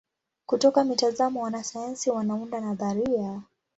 Kutoka mitazamo wanasayansi wanaunda nadharia.